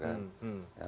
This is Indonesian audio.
ya persoalannya sekarang